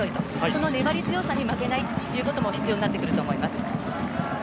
その粘り強さに負けないということも必要になってくると思います。